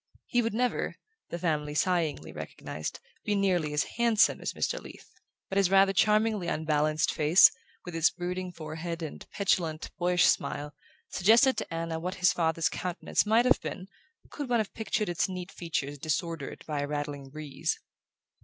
He would never, the family sighingly recognized, be nearly as handsome as Mr. Leath; but his rather charmingly unbalanced face, with its brooding forehead and petulant boyish smile, suggested to Anna what his father's countenance might have been could one have pictured its neat features disordered by a rattling breeze.